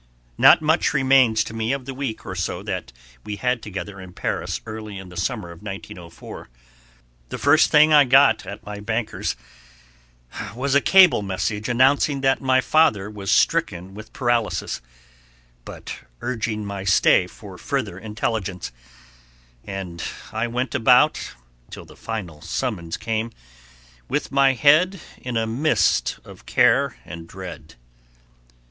Not much remains to me of the week or so that we had together in Paris early in the summer of 1904. The first thing I got at my bankers was a cable message announcing that my father was stricken with paralysis, but urging my stay for further intelligence, and I went about, till the final summons came, with my head in a mist of care and dread.